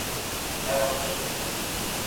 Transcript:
– Мӓ вырсыш кенӓ.